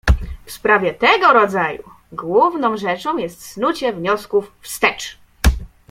"W sprawie tego rodzaju główną rzeczą jest snucie wniosków wstecz."